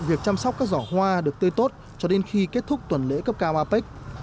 việc chăm sóc các giỏ hoa được tươi tốt cho đến khi kết thúc tuần lễ cấp cao apec